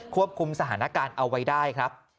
ควบคุมสถานการณ์เอาไว้ได้ครับ